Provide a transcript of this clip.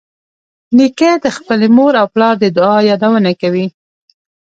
نیکه د خپلې مور او پلار د دعا یادونه کوي.